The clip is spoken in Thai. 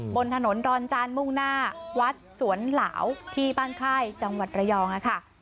บนถนนดอนจานมุ่งหน้าวัดสวนหลาวที่บ้านค่ายจังหวัดระยองค่ะ